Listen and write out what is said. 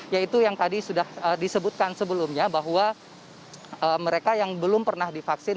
yaitu yang tadi sudah disebutkan sebelumnya bahwa mereka yang belum pernah divaksin